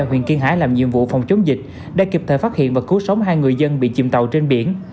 huyện kiên hải làm nhiệm vụ phòng chống dịch đã kịp thời phát hiện và cứu sống hai người dân bị chìm tàu trên biển